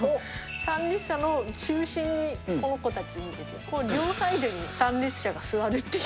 参列者の中心にこの子たちに、両サイドに参列者が座るっていう。